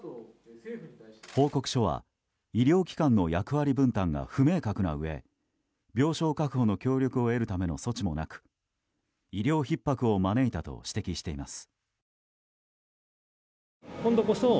報告書は医療機関の役割分担が不明確なうえ病床確保の協力を得るための措置もなく医療ひっ迫を招いたと指摘しています。